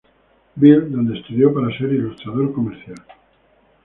Bill, donde estudió para ser ilustrador comercial.